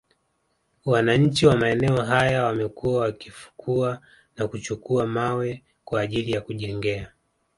Wananchi wa maeneo haya wamekuwa wakifukua na kuchukua mawe kwa ajili ya kujengea